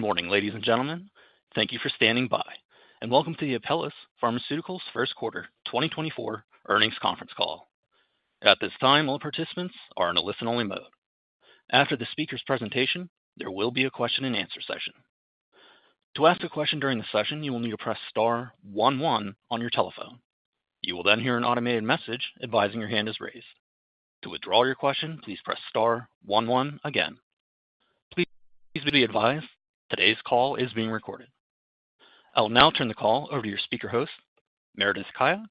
Good morning, ladies and gentlemen. Thank you for standing by, and welcome to the Apellis Pharmaceuticals First Quarter 2024 Earnings Conference Call. At this time, all participants are in a listen-only mode. After the speaker's presentation, there will be a question-and-answer session. To ask a question during the session, you will need to press star one one on your telephone. You will then hear an automated message advising your hand is raised. To withdraw your question, please press star one one again. Please be advised today's call is being recorded. I'll now turn the call over to your speaker host, Meredith Kaya,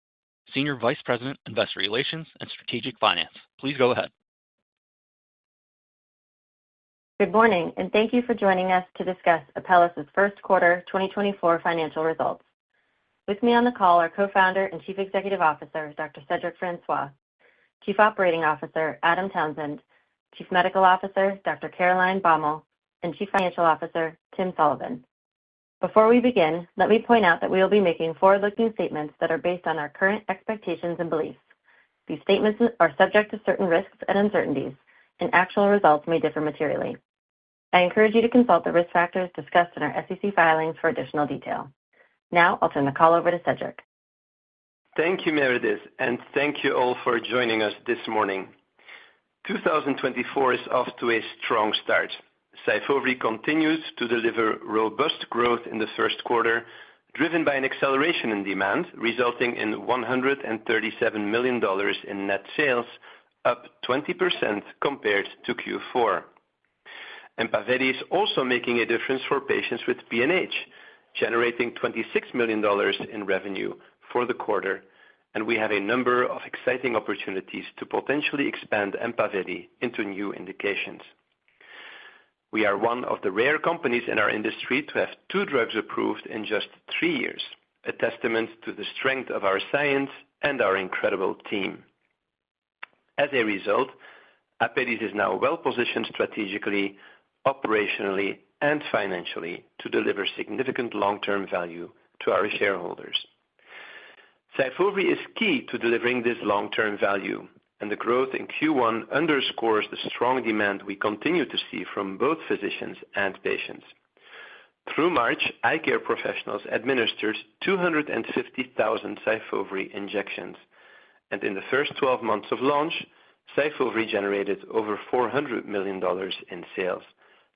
Senior Vice President Investor Relations and Strategic Finance. Please go ahead. Good morning, and thank you for joining us to discuss Apellis's first quarter 2024 financial results. With me on the call are Co-Founder and Chief Executive Officer Dr. Cedric Francois, Chief Operating Officer Adam Townsend, Chief Medical Officer Dr. Caroline Baumal, and Chief Financial Officer Tim Sullivan. Before we begin, let me point out that we will be making forward-looking statements that are based on our current expectations and beliefs. These statements are subject to certain risks and uncertainties, and actual results may differ materially. I encourage you to consult the risk factors discussed in our SEC filings for additional detail. Now I'll turn the call over to Cedric. Thank you, Meredith, and thank you all for joining us this morning. 2024 is off to a strong start. Syfovre continues to deliver robust growth in the first quarter, driven by an acceleration in demand resulting in $137 million in net sales, up 20% compared to Q4. Empaveli is also making a difference for patients with PNH, generating $26 million in revenue for the quarter, and we have a number of exciting opportunities to potentially expand Empaveli into new indications. We are one of the rare companies in our industry to have two drugs approved in just three years, a testament to the strength of our science and our incredible team. As a result, Apellis is now well-positioned strategically, operationally, and financially to deliver significant long-term value to our shareholders. Syfovre is key to delivering this long-term value, and the growth in Q1 underscores the strong demand we continue to see from both physicians and patients. Through March, eye care professionals administered 250,000 Syfovre injections, and in the first 12 months of launch, Syfovre generated over $400 million in sales,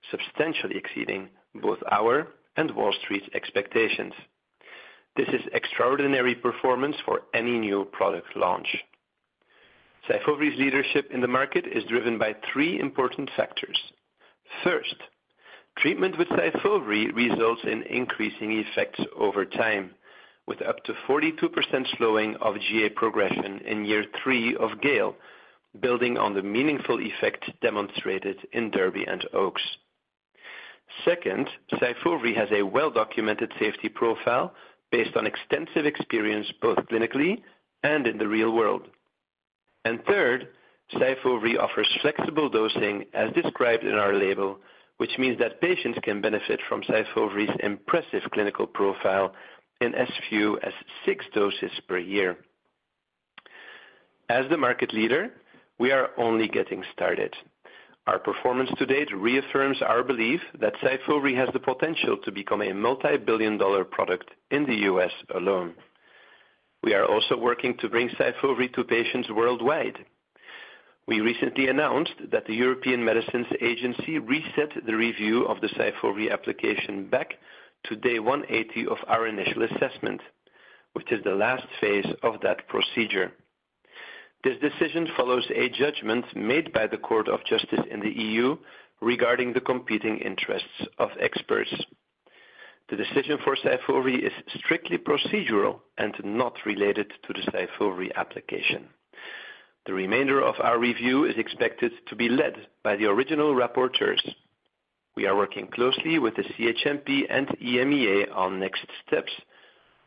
substantially exceeding both our and Wall Street's expectations. This is extraordinary performance for any new product launch. Syfovre's leadership in the market is driven by three important factors. First, treatment with Syfovre results in increasing effects over time, with up to 42% slowing of GA progression in year three of GALE, building on the meaningful effects demonstrated in DERBY and OAKS. Second, Syfovre has a well-documented safety profile based on extensive experience both clinically and in the real world. Third, Syfovre offers flexible dosing as described in our label, which means that patients can benefit from Syfovre's impressive clinical profile in as few as six doses per year. As the market leader, we are only getting started. Our performance to date reaffirms our belief that Syfovre has the potential to become a multibillion-dollar product in the U.S. alone. We are also working to bring Syfovre to patients worldwide. We recently announced that the European Medicines Agency reset the review of the Syfovre application back to day 180 of our initial assessment, which is the last phase of that procedure. This decision follows a judgment made by the Court of Justice in the EU regarding the competing interests of experts. The decision for Syfovre is strictly procedural and not related to the Syfovre application. The remainder of our review is expected to be led by the original rapporteurs. We are working closely with the CHMP and EMA on next steps,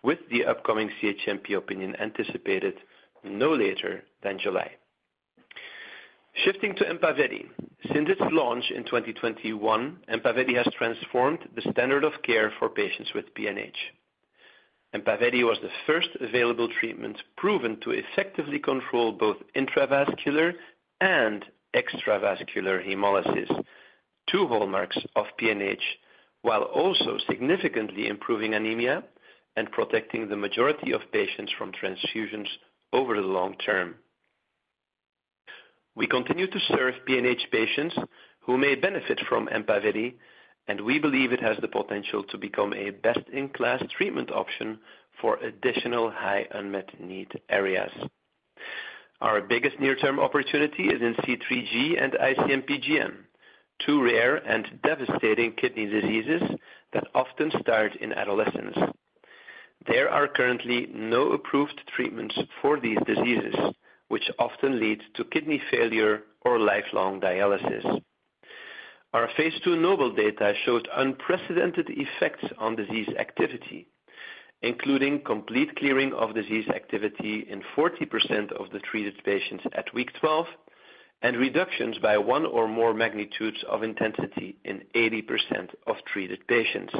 with the upcoming CHMP opinion anticipated no later than July. Shifting to Empaveli, since its launch in 2021, Empaveli has transformed the standard of care for patients with PNH. Empaveli was the first available treatment proven to effectively control both intravascular and extravascular hemolysis, two hallmarks of PNH, while also significantly improving anemia and protecting the majority of patients from transfusions over the long term. We continue to serve PNH patients who may benefit from Empaveli, and we believe it has the potential to become a best-in-class treatment option for additional high unmet need areas. Our biggest near-term opportunity is in C3G and IC-MPGN, two rare and devastating kidney diseases that often start in adolescence. There are currently no approved treatments for these diseases, which often lead to kidney failure or lifelong dialysis. Our phase II NOBLE data showed unprecedented effects on disease activity, including complete clearing of disease activity in 40% of the treated patients at week 12 and reductions by one or more magnitudes of intensity in 80% of treated patients.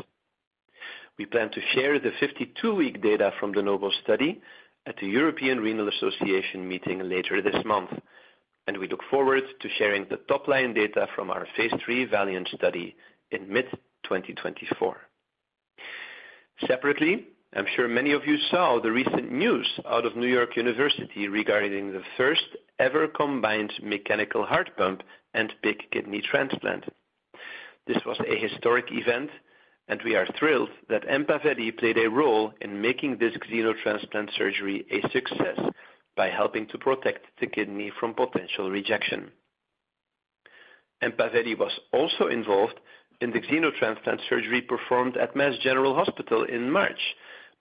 We plan to share the 52-week data from the NOBLE study at the European Renal Association meeting later this month, and we look forward to sharing the top-line data from our phase III VALIANT study in mid-2024. Separately, I'm sure many of you saw the recent news out of New York University regarding the first-ever combined mechanical heart pump and pig kidney transplant. This was a historic event, and we are thrilled that Empaveli played a role in making this xenotransplant surgery a success by helping to protect the kidney from potential rejection. Empaveli was also involved in the xenotransplant surgery performed at Mass General Hospital in March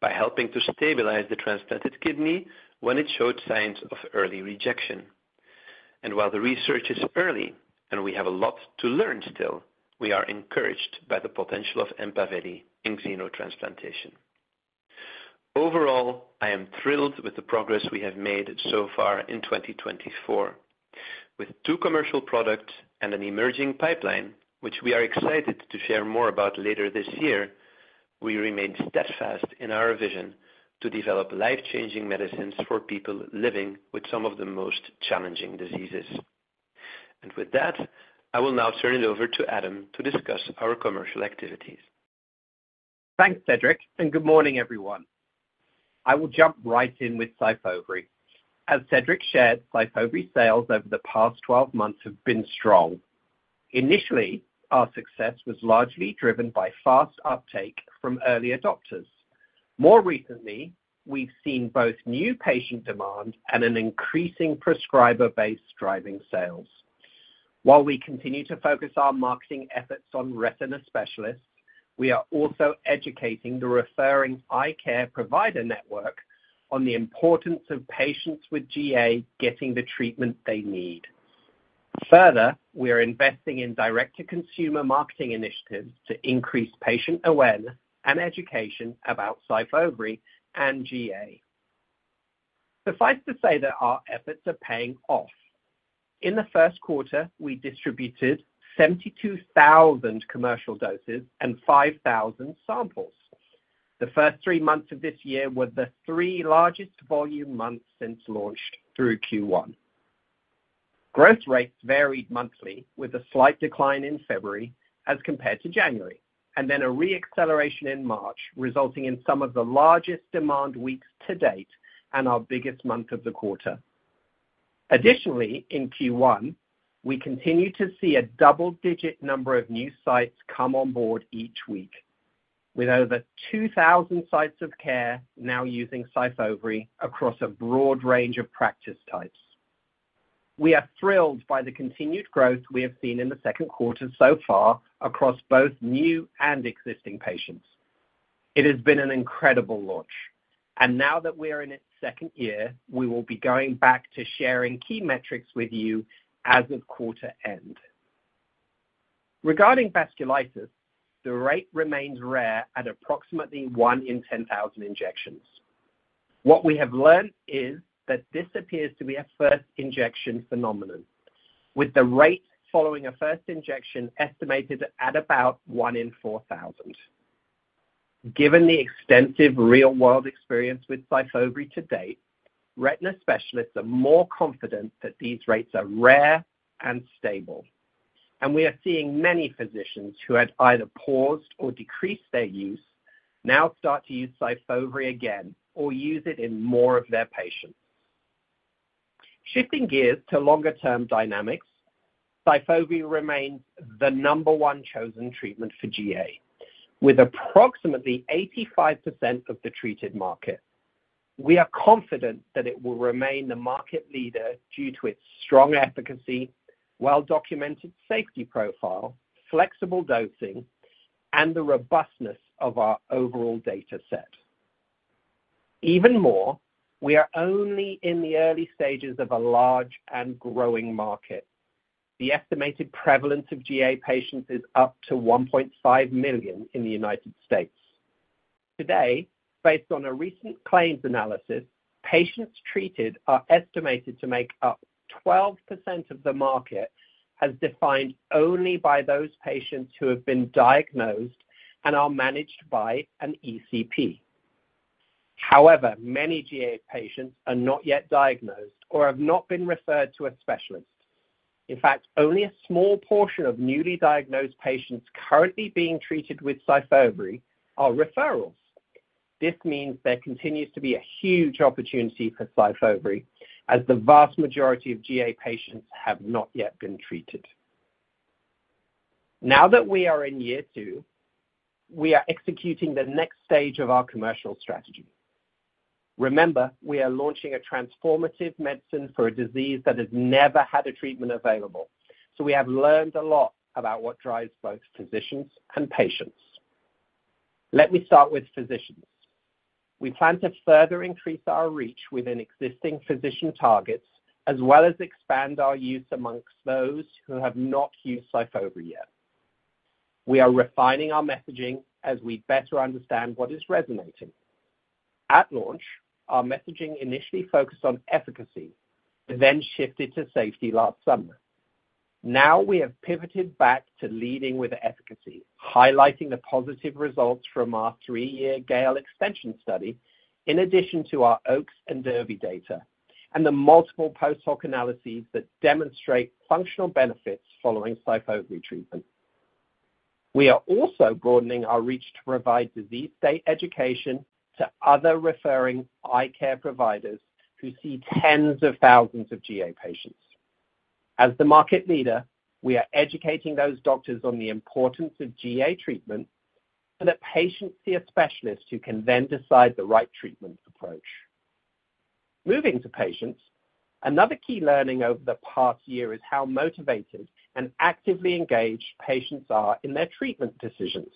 by helping to stabilize the transplanted kidney when it showed signs of early rejection. And while the research is early and we have a lot to learn still, we are encouraged by the potential of Empaveli in xenotransplantation. Overall, I am thrilled with the progress we have made so far in 2024. With two commercial products and an emerging pipeline, which we are excited to share more about later this year, we remain steadfast in our vision to develop life-changing medicines for people living with some of the most challenging diseases. And with that, I will now turn it over to Adam to discuss our commercial activities. Thanks, Cedric, and good morning, everyone. I will jump right in with Syfovre. As Cedric shared, Syfovre sales over the past 12 months have been strong. Initially, our success was largely driven by fast uptake from earlier doctors. More recently, we've seen both new patient demand and an increasing prescriber-based driving sales. While we continue to focus our marketing efforts on retina specialists, we are also educating the referring eye care provider network on the importance of patients with GA getting the treatment they need. Further, we are investing in direct-to-consumer marketing initiatives to increase patient awareness and education about Syfovre and GA. Suffice to say that our efforts are paying off. In the first quarter, we distributed 72,000 commercial doses and 5,000 samples. The first three months of this year were the three largest volume months since launched through Q1. Growth rates varied monthly, with a slight decline in February as compared to January and then a re-acceleration in March resulting in some of the largest demand weeks to date and our biggest month of the quarter. Additionally, in Q1, we continue to see a double-digit number of new sites come on board each week, with over 2,000 sites of care now using Syfovre across a broad range of practice types. We are thrilled by the continued growth we have seen in the second quarter so far across both new and existing patients. It has been an incredible launch. And now that we are in its second year, we will be going back to sharing key metrics with you as of quarter end. Regarding vasculitis, the rate remains rare at approximately 1 in 10,000 injections. What we have learned is that this appears to be a first-injection phenomenon, with the rate following a first injection estimated at about 1 in 4,000. Given the extensive real-world experience with Syfovre to date, retina specialists are more confident that these rates are rare and stable. We are seeing many physicians who had either paused or decreased their use now start to use Syfovre again or use it in more of their patients. Shifting gears to longer-term dynamics, Syfovre remains the number one chosen treatment for GA, with approximately 85% of the treated market. We are confident that it will remain the market leader due to its strong efficacy, well-documented safety profile, flexible dosing, and the robustness of our overall data set. Even more, we are only in the early stages of a large and growing market. The estimated prevalence of GA patients is up to 1.5 million in the United States. Today, based on a recent claims analysis, patients treated are estimated to make up 12% of the market as defined only by those patients who have been diagnosed and are managed by an ECP. However, many GA patients are not yet diagnosed or have not been referred to a specialist. In fact, only a small portion of newly diagnosed patients currently being treated with Syfovre are referrals. This means there continues to be a huge opportunity for Syfovre, as the vast majority of GA patients have not yet been treated. Now that we are in year two, we are executing the next stage of our commercial strategy. Remember, we are launching a transformative medicine for a disease that has never had a treatment available. So we have learned a lot about what drives both physicians and patients. Let me start with physicians. We plan to further increase our reach within existing physician targets as well as expand our use among those who have not used Syfovre yet. We are refining our messaging as we better understand what is resonating. At launch, our messaging initially focused on efficacy, but then shifted to safety last summer. Now we have pivoted back to leading with efficacy, highlighting the positive results from our three-year GALE extension study in addition to our OAKS and DERBY data and the multiple post-hoc analyses that demonstrate functional benefits following Syfovre treatment. We are also broadening our reach to provide disease state education to other referring eye care providers who see tens of thousands of GA patients. As the market leader, we are educating those doctors on the importance of GA treatment so that patients see a specialist who can then decide the right treatment approach. Moving to patients, another key learning over the past year is how motivated and actively engaged patients are in their treatment decisions.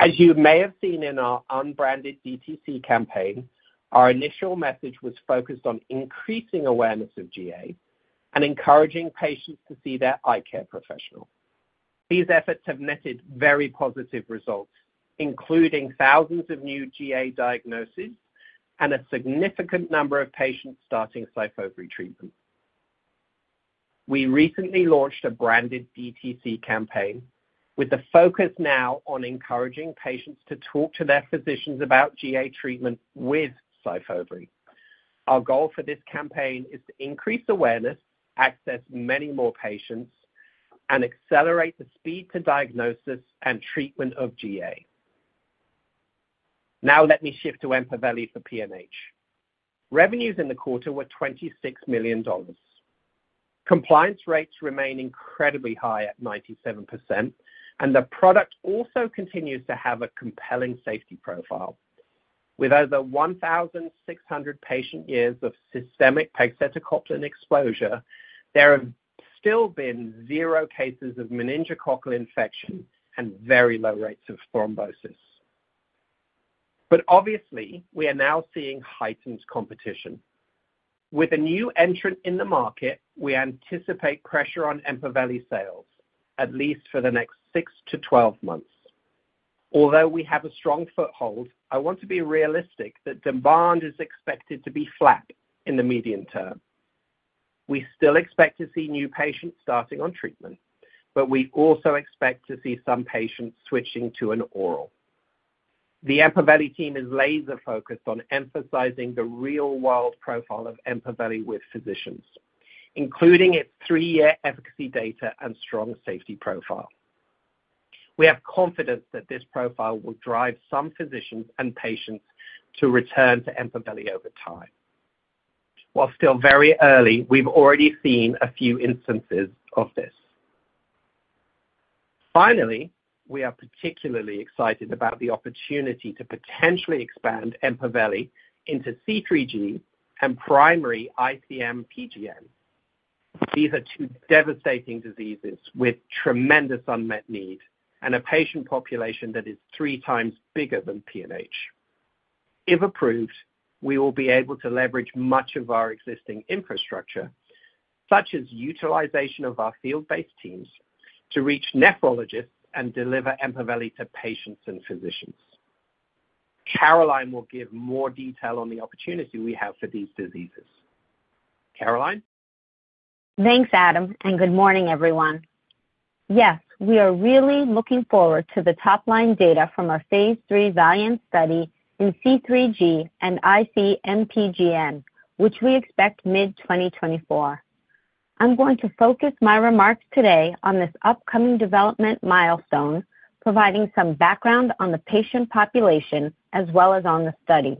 As you may have seen in our unbranded DTC campaign, our initial message was focused on increasing awareness of GA and encouraging patients to see their eye care professional. These efforts have netted very positive results, including thousands of new GA diagnoses and a significant number of patients starting Syfovre treatment. We recently launched a branded DTC campaign with the focus now on encouraging patients to talk to their physicians about GA treatment with Syfovre. Our goal for this campaign is to increase awareness, access many more patients, and accelerate the speed to diagnosis and treatment of GA. Now let me shift to Empaveli for PNH. Revenues in the quarter were $26 million. Compliance rates remain incredibly high at 97%, and the product also continues to have a compelling safety profile. With over 1,600 patient years of systemic pegcetacoplan exposure, there have still been zero cases of meningococcal infection and very low rates of thrombosis. But obviously, we are now seeing heightened competition. With a new entrant in the market, we anticipate pressure on Empaveli sales, at least for the next 6-12 months. Although we have a strong foothold, I want to be realistic that demand is expected to be flat in the medium term. We still expect to see new patients starting on treatment, but we also expect to see some patients switching to an oral. The Empaveli team is laser-focused on emphasizing the real-world profile of Empaveli with physicians, including its three-year efficacy data and strong safety profile. We have confidence that this profile will drive some physicians and patients to return to Empaveli over time. While still very early, we've already seen a few instances of this. Finally, we are particularly excited about the opportunity to potentially expand Empaveli into C3G and primary IC-MPGN. These are two devastating diseases with tremendous unmet need and a patient population that is three times bigger than PNH. If approved, we will be able to leverage much of our existing infrastructure, such as utilization of our field-based teams, to reach nephrologists and deliver Empaveli to patients and physicians. Caroline will give more detail on the opportunity we have for these diseases. Caroline? Thanks, Adam, and good morning, everyone. Yes, we are really looking forward to the top-line data from our phase III VALIANT study in C3G and IC-MPGN, which we expect mid-2024. I'm going to focus my remarks today on this upcoming development milestone, providing some background on the patient population as well as on the study.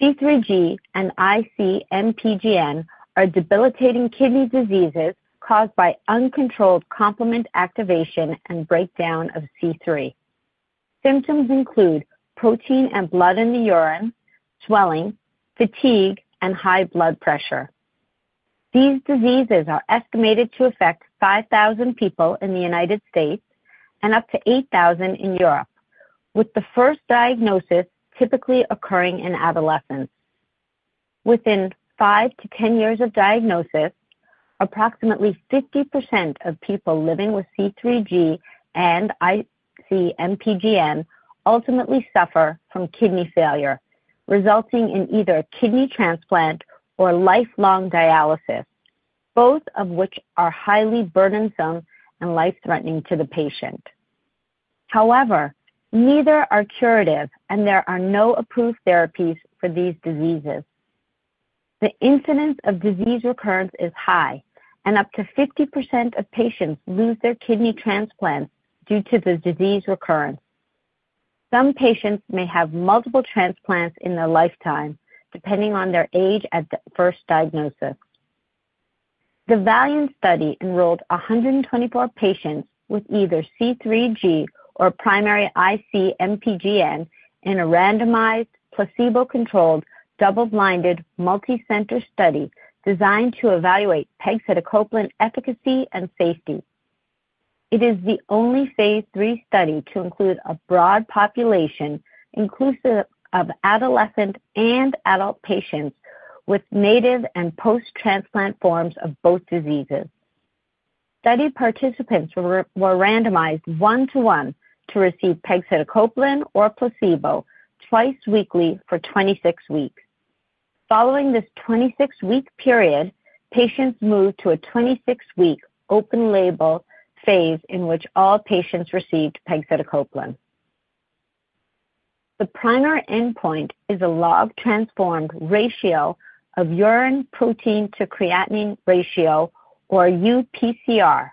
C3G and IC-MPGN are debilitating kidney diseases caused by uncontrolled complement activation and breakdown of C3. Symptoms include protein and blood in the urine, swelling, fatigue, and high blood pressure. These diseases are estimated to affect 5,000 people in the United States and up to 8,000 in Europe, with the first diagnosis typically occurring in adolescence. Within 5-10 years of diagnosis, approximately 50% of people living with C3G and IC-MPGN ultimately suffer from kidney failure, resulting in either kidney transplant or lifelong dialysis, both of which are highly burdensome and life-threatening to the patient. However, neither are curative, and there are no approved therapies for these diseases. The incidence of disease recurrence is high, and up to 50% of patients lose their kidney transplants due to the disease recurrence. Some patients may have multiple transplants in their lifetime, depending on their age at the first diagnosis. The VALIANT study enrolled 124 patients with either C3G or primary IC-MPGN in a randomized, placebo-controlled, double-blinded, multi-center study designed to evaluate pegcetacoplan efficacy and safety. It is the only phase 3 study to include a broad population, inclusive of adolescent and adult patients with native and post-transplant forms of both diseases. Study participants were randomized 1:1 to receive pegcetacoplan or placebo twice weekly for 26 weeks. Following this 26-week period, patients moved to a 26-week open-label phase in which all patients received pegcetacoplan. The primary endpoint is a log-transformed ratio of urine protein-to-creatinine ratio, or UPCR,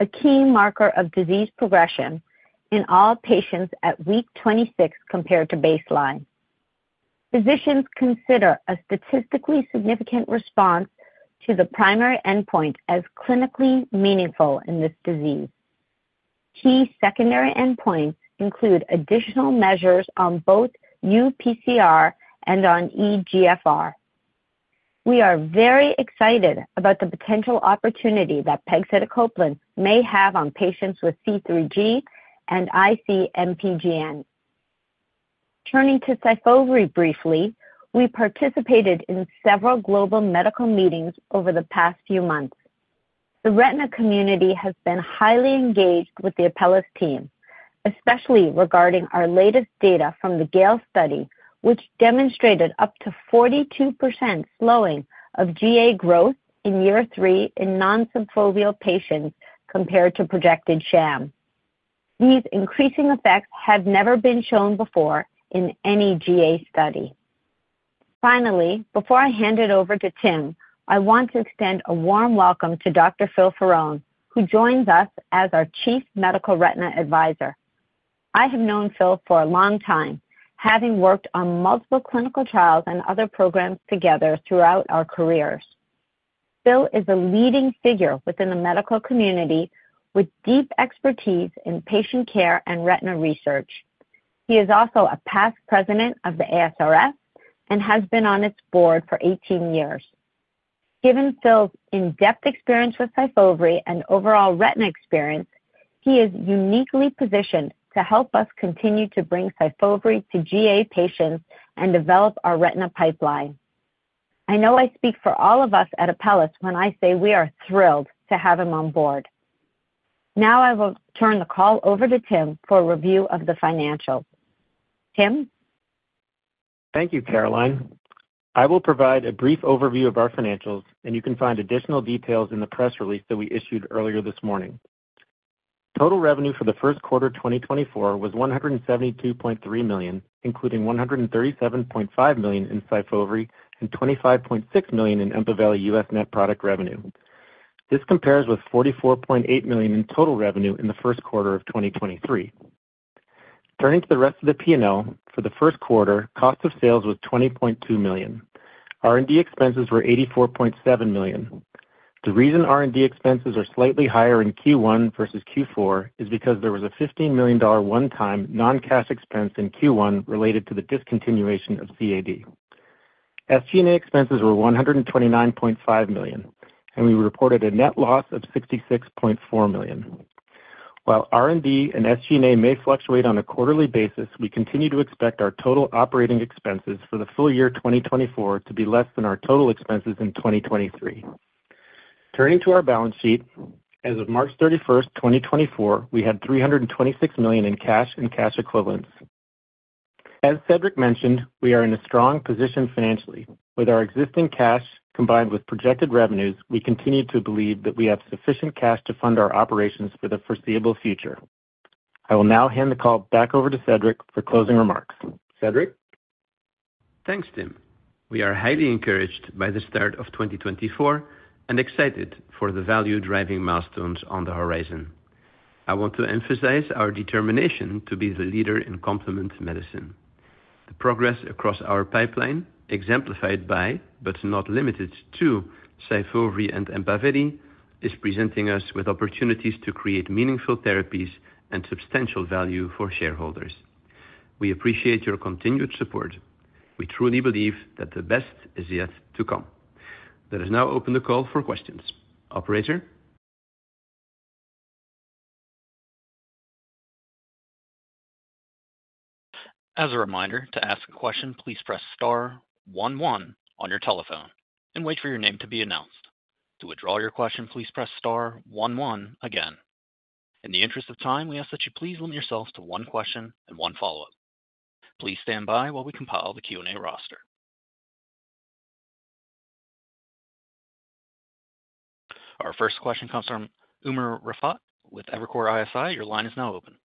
a key marker of disease progression in all patients at week 26 compared to baseline. Physicians consider a statistically significant response to the primary endpoint as clinically meaningful in this disease. Key secondary endpoints include additional measures on both UPCR and on eGFR. We are very excited about the potential opportunity that pegcetacoplan may have on patients with C3G and IC-MPGN. Turning to Syfovre briefly, we participated in several global medical meetings over the past few months. The retina community has been highly engaged with the Apellis team, especially regarding our latest data from the GALE study, which demonstrated up to 42% slowing of GA growth in year three in non-Syfovre patients compared to projected sham. These increasing effects have never been shown before in any GA study. Finally, before I hand it over to Tim, I want to extend a warm welcome to Dr. Phil Ferrone, who joins us as our Chief Medical Retina Advisor. I have known Phil for a long time, having worked on multiple clinical trials and other programs together throughout our careers. Phil is a leading figure within the medical community with deep expertise in patient care and retina research. He is also a past president of the ASRS and has been on its board for 18 years. Given Phil's in-depth experience with Syfovre and overall retina experience, he is uniquely positioned to help us continue to bring Syfovre to GA patients and develop our retina pipeline. I know I speak for all of us at Apellis when I say we are thrilled to have him on board. Now I will turn the call over to Tim for a review of the financials. Tim? Thank you, Caroline. I will provide a brief overview of our financials, and you can find additional details in the press release that we issued earlier this morning. Total revenue for the first quarter 2024 was $172.3 million, including $137.5 million in Syfovre and $25.6 million in Empaveli U.S. net product revenue. This compares with $44.8 million in total revenue in the first quarter of 2023. Turning to the rest of the P&L, for the first quarter, cost of sales was $20.2 million. R&D expenses were $84.7 million. The reason R&D expenses are slightly higher in Q1 versus Q4 is because there was a $15 million one-time non-cash expense in Q1 related to the discontinuation of CAD. SG&A expenses were $129.5 million, and we reported a net loss of $66.4 million. While R&D and SG&A may fluctuate on a quarterly basis, we continue to expect our total operating expenses for the full year 2024 to be less than our total expenses in 2023. Turning to our balance sheet, as of March 31, 2024, we had $326 million in cash and cash equivalents. As Cedric mentioned, we are in a strong position financially. With our existing cash combined with projected revenues, we continue to believe that we have sufficient cash to fund our operations for the foreseeable future. I will now hand the call back over to Cedric for closing remarks. Cedric? Thanks, Tim. We are highly encouraged by the start of 2024 and excited for the value-driving milestones on the horizon. I want to emphasize our determination to be the leader in complement medicine. The progress across our pipeline, exemplified by but not limited to Syfovre and Empaveli, is presenting us with opportunities to create meaningful therapies and substantial value for shareholders. We appreciate your continued support. We truly believe that the best is yet to come. Let us now open the call for questions. Operator? As a reminder, to ask a question, please press star 11 on your telephone and wait for your name to be announced. To withdraw your question, please press star 11 again. In the interest of time, we ask that you please limit yourself to one question and one follow-up. Please stand by while we compile the Q&A roster. Our first question comes from Umar Raffat with Evercore ISI. Your line is now open.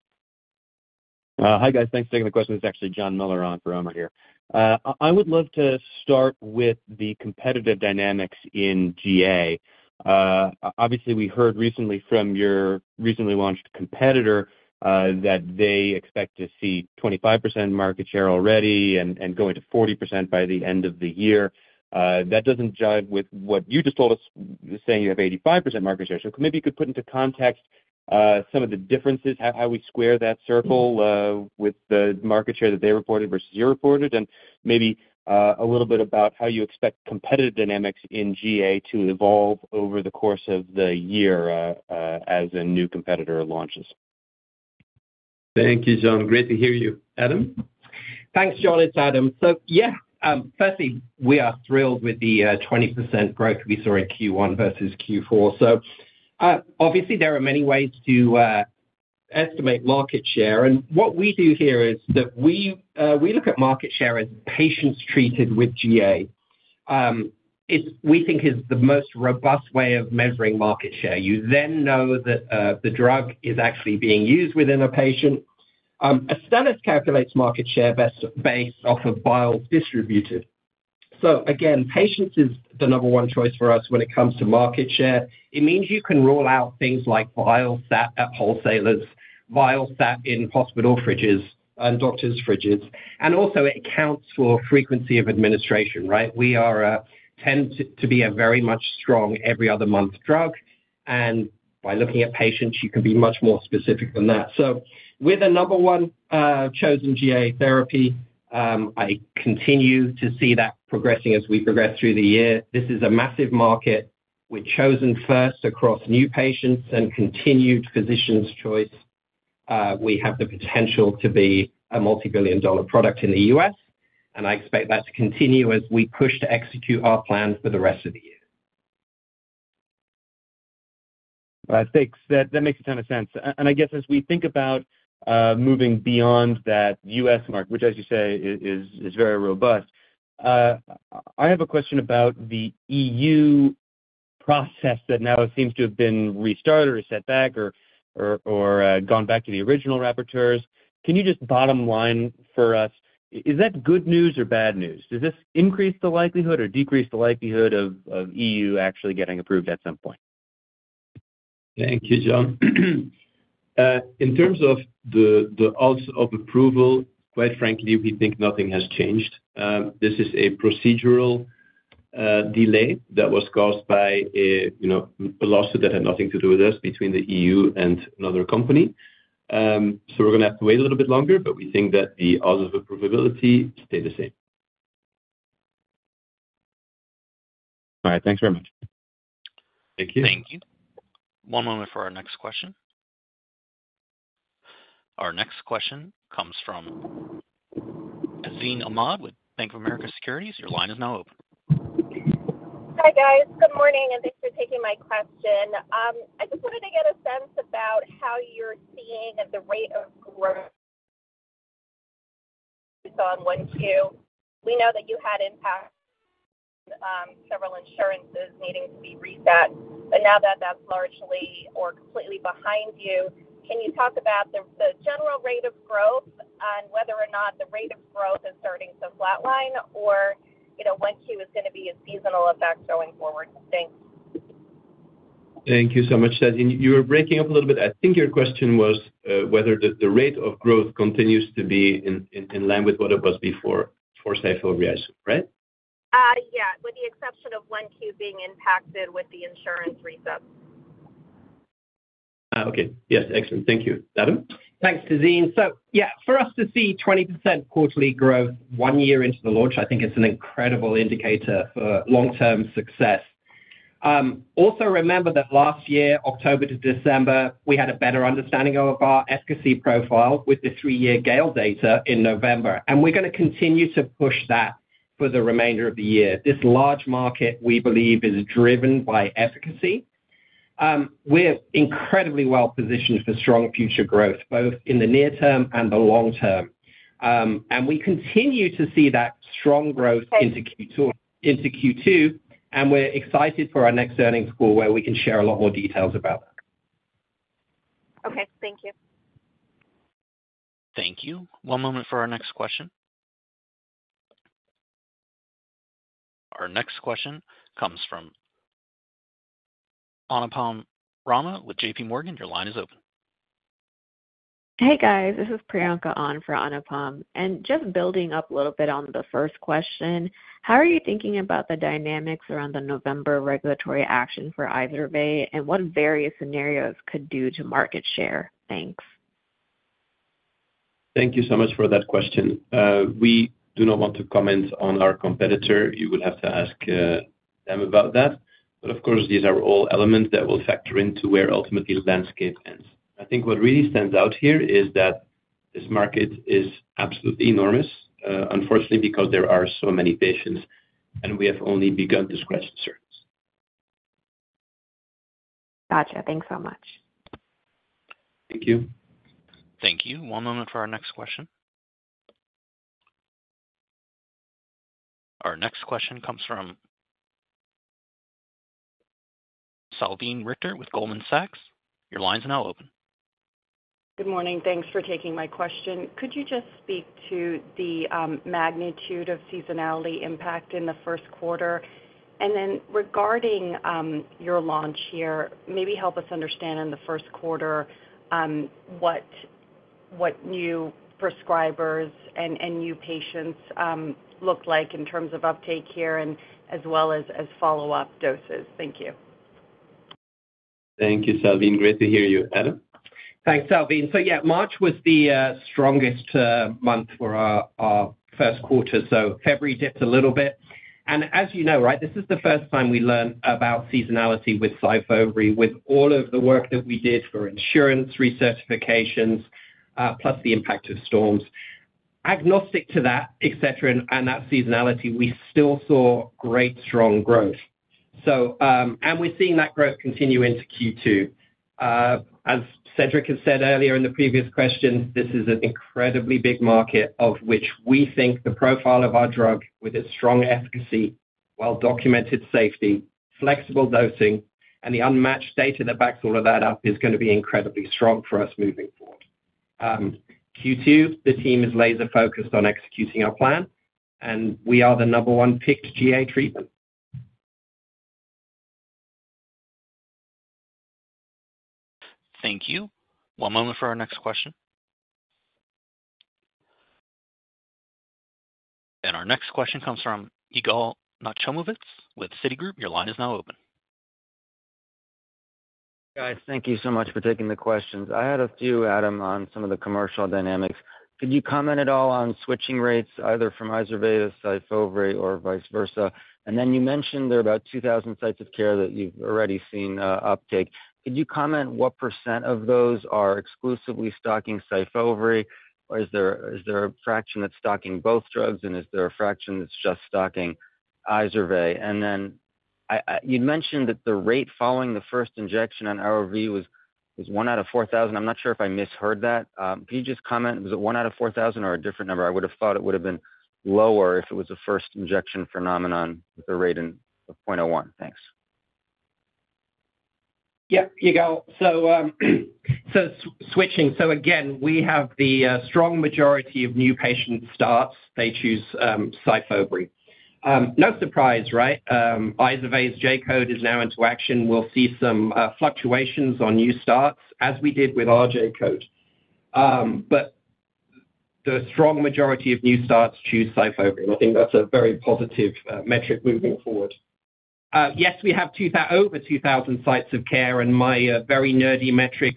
Hi guys. Thanks for taking the question. This is actually John Miller on for Umar here. I would love to start with the competitive dynamics in GA. Obviously, we heard recently from your recently launched competitor that they expect to see 25% market share already and going to 40% by the end of the year. That doesn't jive with what you just told us, saying you have 85% market share. So maybe you could put into context some of the differences, how we square that circle with the market share that they reported versus you reported, and maybe a little bit about how you expect competitive dynamics in GA to evolve over the course of the year as a new competitor launches. Thank you, John. Great to hear you, Adam. Thanks, John. It's Adam. So yeah, firstly, we are thrilled with the 20% growth we saw in Q1 versus Q4. So obviously, there are many ways to estimate market share. And what we do here is that we look at market share as patients treated with GA. We think it's the most robust way of measuring market share. You then know that the drug is actually being used within a patient. [ASRS] calculates market share based off of vials distributed. So again, patients is the number one choice for us when it comes to market share. It means you can roll out things like vials at wholesalers, vials in hospital fridges and doctors' fridges. And also, it accounts for frequency of administration, right? We tend to be a very much strong every other month drug. By looking at patients, you can be much more specific than that. With a number one chosen GA therapy, I continue to see that progressing as we progress through the year. This is a massive market. With chosen first across new patients and continued physicians' choice, we have the potential to be a multibillion-dollar product in the US. I expect that to continue as we push to execute our plan for the rest of the year. Thanks. That makes a ton of sense. And I guess as we think about moving beyond that US market, which, as you say, is very robust, I have a question about the EU process that now seems to have been restarted or set back or gone back to the original rapporteurs. Can you just bottom-line for us? Is that good news or bad news? Does this increase the likelihood or decrease the likelihood of EU actually getting approved at some point? Thank you, John. In terms of the odds of approval, quite frankly, we think nothing has changed. This is a procedural delay that was caused by a lawsuit that had nothing to do with us between the EU and another company. So we're going to have to wait a little bit longer, but we think that the odds of approval stay the same. All right. Thanks very much. Thank you. Thank you. One moment for our next question. Our next question comes from Tazeen Ahmad with Bank of America Securities. Your line is now open. Hi guys. Good morning. Thanks for taking my question. I just wanted to get a sense about how you're seeing the rate of growth on Q1. We know that you had impact on several insurances needing to be reset. But now that that's largely or completely behind you, can you talk about the general rate of growth and whether or not the rate of growth is starting to flatline or Q1 is going to be a seasonal effect going forward? Thanks. Thank you so much, Azine. You were breaking up a little bit. I think your question was whether the rate of growth continues to be in line with what it was before for Syfovre, I assume, right? Yeah, with the exception of Q1 being impacted with the insurance reset. Okay. Yes. Excellent. Thank you. Adam? Thanks, Tazeen. So yeah, for us to see 20% quarterly growth one year into the launch, I think it's an incredible indicator for long-term success. Also, remember that last year, October to December, we had a better understanding of our efficacy profile with the three-year GALE data in November. And we're going to continue to push that for the remainder of the year. This large market, we believe, is driven by efficacy. We're incredibly well-positioned for strong future growth, both in the near term and the long term. And we continue to see that strong growth into Q2. And we're excited for our next earnings call where we can share a lot more details about that. Okay. Thank you. Thank you. One moment for our next question. Our next question comes from Anupam Rama with J.P. Morgan. Your line is open. Hey guys. This is Priyanka on for Anupam. Just building up a little bit on the first question, how are you thinking about the dynamics around the November regulatory action for Izervay, and what various scenarios could do to market share? Thanks. Thank you so much for that question. We do not want to comment on our competitor. You would have to ask them about that. Of course, these are all elements that will factor into where ultimately the landscape ends. I think what really stands out here is that this market is absolutely enormous, unfortunately, because there are so many patients, and we have only begun to scratch the surface. Gotcha. Thanks so much. Thank you. Thank you. One moment for our next question. Our next question comes from Salveen Richter with Goldman Sachs. Your line is now open. Good morning. Thanks for taking my question. Could you just speak to the magnitude of seasonality impact in the first quarter? And then regarding your launch here, maybe help us understand in the first quarter what new prescribers and new patients looked like in terms of uptake here as well as follow-up doses. Thank you. Thank you, Salveen. Great to hear you, Adam. Thanks, Salveen. Yeah, March was the strongest month for our first quarter. February dipped a little bit. As you know, right, this is the first time we learn about seasonality with Syfovre, with all of the work that we did for insurance recertifications, plus the impact of storms. Agnostic to that, etc., and that seasonality, we still saw great, strong growth. We're seeing that growth continue into Q2. As Cedric has said earlier in the previous question, this is an incredibly big market of which we think the profile of our drug with its strong efficacy, well-documented safety, flexible dosing, and the unmatched data that backs all of that up is going to be incredibly strong for us moving forward. Q2, the team is laser-focused on executing our plan. We are the number one picked GA treatment. Thank you. One moment for our next question. Our next question comes from Yigal Nochomovitz with Citigroup. Your line is now open. Guys, thank you so much for taking the questions. I had a few, Adam, on some of the commercial dynamics. Could you comment at all on switching rates, either from Izervay to Syfovre or vice versa? And then you mentioned there are about 2,000 sites of care that you've already seen uptake. Could you comment what percent of those are exclusively stocking Syfovre, or is there a fraction that's stocking both drugs, and is there a fraction that's just stocking Izervay? And then you'd mentioned that the rate following the first injection on RV was 1 out of 4,000. I'm not sure if I misheard that. Could you just comment? Was it 1 out of 4,000 or a different number? I would have thought it would have been lower if it was a first injection phenomenon with a rate of 0.01. Thanks. Yeah, Yigal. So, switching. So, again, we have the strong majority of new patient starts. They choose Syfovre. No surprise, right? Izervay's J-code is now into action. We'll see some fluctuations on new starts as we did with our J-code. But the strong majority of new starts choose Syfovre. And I think that's a very positive metric moving forward. Yes, we have over 2,000 sites of care. And my very nerdy metric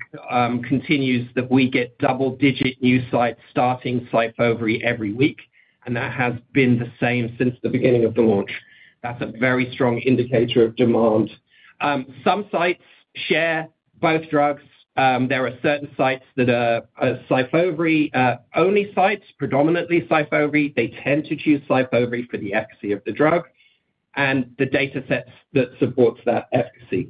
continues that we get double-digit new sites starting Syfovre every week. And that has been the same since the beginning of the launch. That's a very strong indicator of demand. Some sites share both drugs. There are certain sites that are Syfovre-only sites, predominantly Syfovre. They tend to choose Syfovre for the efficacy of the drug and the datasets that support that efficacy.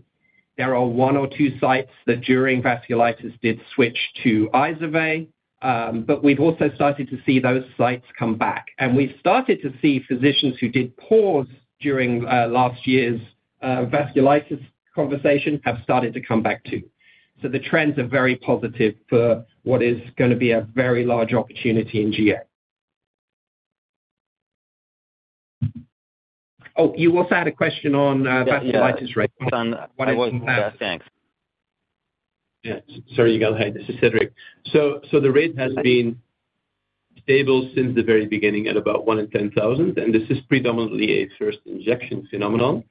There are one or two sites that during vasculitis did switch to Izervay. We've also started to see those sites come back. We've started to see physicians who did pause during last year's vasculitis conversation have started to come back too. The trends are very positive for what is going to be a very large opportunity in GA. Oh, you also had a question on vasculitis rate. I wasn't there. Thanks. Sorry, Yigal. Hey, this is Cedric. So the rate has been stable since the very beginning at about 1 in 10,000. And this is predominantly a first-injection phenomenon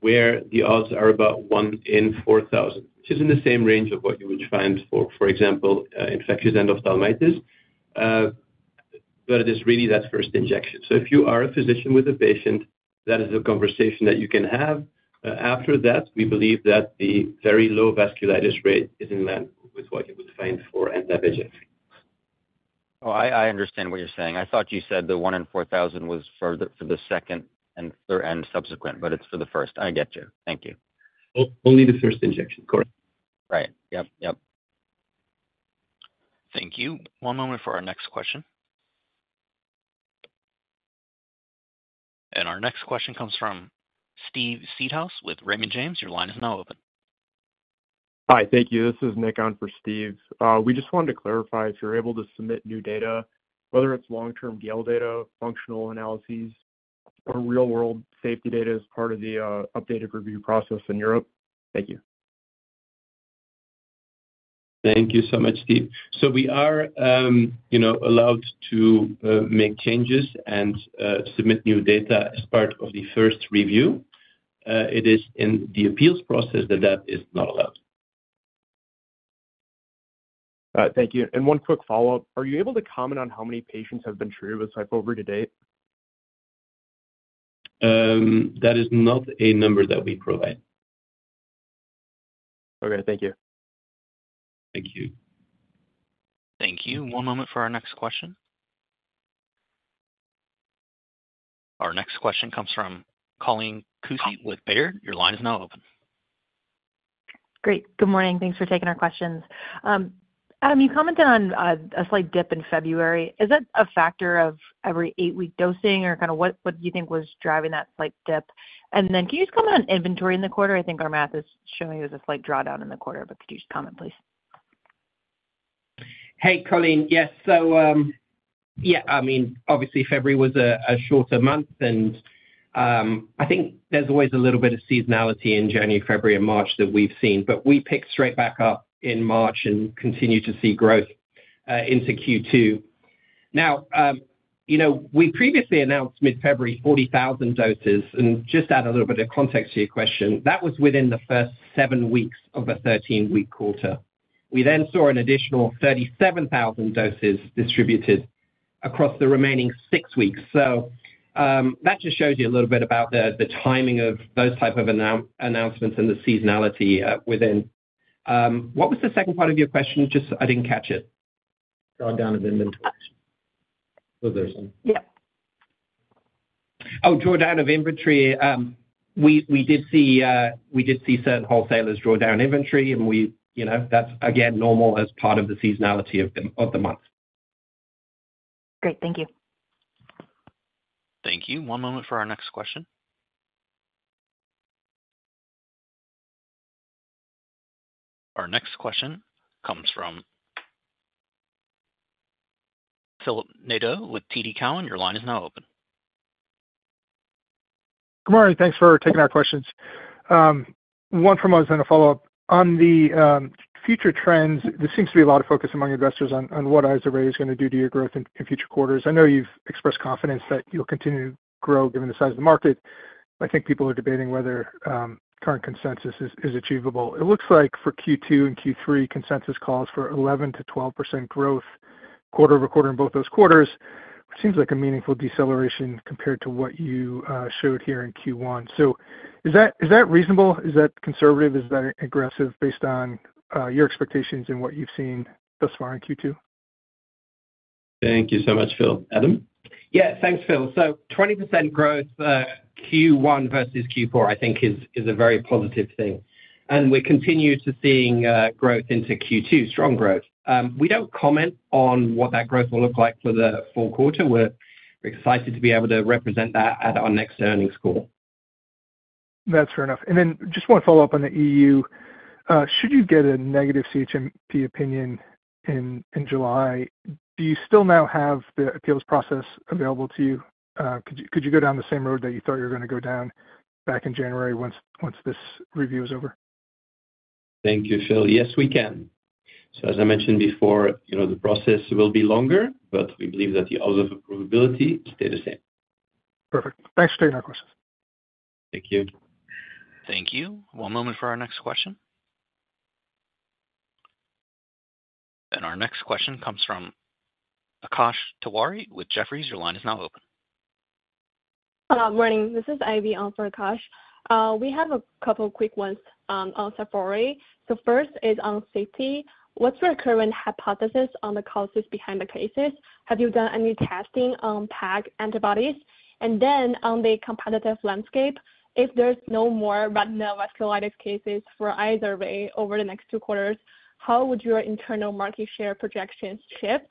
where the odds are about 1 in 4,000, which is in the same range of what you would find for, for example, infectious endophthalmitis. But it is really that first injection. So if you are a physician with a patient, that is a conversation that you can have. After that, we believe that the very low vasculitis rate is in line with what you would find for anti-VEGF treatments. Oh, I understand what you're saying. I thought you said the 1 in 4,000 was for the second and subsequent, but it's for the first. I get you. Thank you. Only the first injection. Correct. Right. Yep. Yep. Thank you. One moment for our next question. Our next question comes from Steve Seedhouse with Raymond James. Your line is now open. Hi. Thank you. This is Nick on for Steve. We just wanted to clarify if you're able to submit new data, whether it's long-term GALE data, functional analyses, or real-world safety data as part of the updated review process in Europe. Thank you. Thank you so much, Steve. So we are allowed to make changes and submit new data as part of the first review. It is in the appeals process that that is not allowed. All right. Thank you. And one quick follow-up. Are you able to comment on how many patients have been treated with Syfovre to date? That is not a number that we provide. Okay. Thank you. Thank you. Thank you. One moment for our next question. Our next question comes from Colleen Kusy with Baird. Your line is now open. Great. Good morning. Thanks for taking our questions. Adam, you commented on a slight dip in February. Is that a factor of every eight-week dosing or kind of what do you think was driving that slight dip? And then can you just comment on inventory in the quarter? I think our math is showing there's a slight drawdown in the quarter, but could you just comment, please? Hey, Colleen. Yes. So yeah, I mean, obviously, February was a shorter month. I think there's always a little bit of seasonality in January, February, and March that we've seen. But we picked straight back up in March and continue to see growth into Q2. Now, we previously announced mid-February 40,000 doses. And just to add a little bit of context to your question, that was within the first 7 weeks of a 13-week quarter. We then saw an additional 37,000 doses distributed across the remaining 6 weeks. So that just shows you a little bit about the timing of those types of announcements and the seasonality within. What was the second part of your question? I didn't catch it. Drawdown of inventory. Was there some? Yep. Oh, drawdown of inventory. We did see certain wholesalers drawdown inventory. That's, again, normal as part of the seasonality of the month. Great. Thank you. Thank you. One moment for our next question. Our next question comes from Phil Nadeau with TD Cowen. Your line is now open. Good morning. Thanks for taking our questions. One from us in a follow-up. On the future trends, there seems to be a lot of focus among investors on what Izervay is going to do to your growth in future quarters. I know you've expressed confidence that you'll continue to grow given the size of the market. I think people are debating whether current consensus is achievable. It looks like for Q2 and Q3, consensus calls for 11%-12% growth quarter-over-quarter in both those quarters, which seems like a meaningful deceleration compared to what you showed here in Q1. So is that reasonable? Is that conservative? Is that aggressive based on your expectations and what you've seen thus far in Q2? Thank you so much, Phil. Adam? Yeah. Thanks, Phil. So 20% growth Q1 versus Q4, I think, is a very positive thing. We continue to see growth into Q2, strong growth. We don't comment on what that growth will look like for the full quarter. We're excited to be able to represent that at our next earnings call. That's fair enough. And then just one follow-up on the EU. Should you get a negative CHMP opinion in July, do you still now have the appeals process available to you? Could you go down the same road that you thought you were going to go down back in January once this review is over? Thank you, Phil. Yes, we can. So as I mentioned before, the process will be longer, but we believe that the odds of approvability stay the same. Perfect. Thanks for taking our questions. Thank you. Thank you. One moment for our next question. Our next question comes from Akash Tewari with Jefferies. Your line is now open. Morning. This is Ivy on for Akash. We have a couple of quick ones on Syfovre. First is on safety. What's your current hypothesis on the causes behind the cases? Have you done any testing on PAG antibodies? And then on the competitive landscape, if there's no more retinal vasculitis cases for Izervay over the next two quarters, how would your internal market share projections shift?